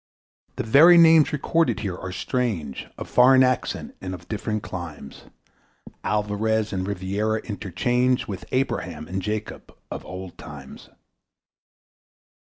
The very names recorded here are strange, Of foreign accent, and of different climes; Alvares and Rivera interchange With Abraham and Jacob of old times.